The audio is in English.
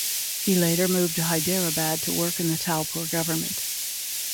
He later moved to Hyderabad to work in the Talpur government.